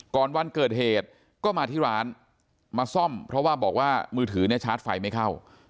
วันเกิดเหตุก็มาที่ร้านมาซ่อมเพราะว่าบอกว่ามือถือเนี่ยชาร์จไฟไม่เข้า